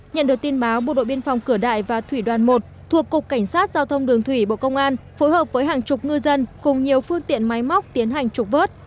nhận được tin báo bộ đội biên phòng cửa đại và thủy đoàn một thuộc cục cảnh sát giao thông đường thủy bộ công an phối hợp với hàng chục ngư dân cùng nhiều phương tiện máy móc tiến hành trục vớt